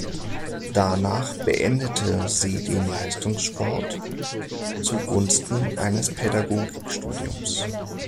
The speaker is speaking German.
Danach beendete sie den Leistungssport zugunsten eines Pädagogik-Studiums.